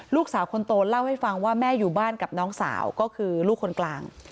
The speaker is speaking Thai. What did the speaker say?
ลูกสาวคนโตเล่าให้ฟังว่าแม่อยู่บ้านกับน้องสาวก็คือลูกคนกลาง